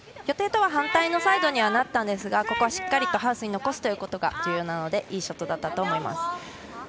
予定とは反対のサイドになったんですがここはしっかりハウスに残すことが重要なのでいいショットだったと思います。